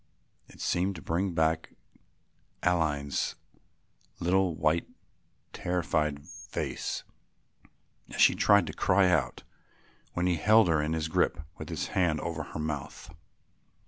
It seemed to bring back Aline's little white terrified face as she tried to cry out when he held her in his grip with his hand over her mouth.